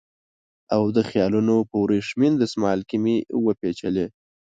او د خیالونو په وریښمین دسمال کې مې وپېچلې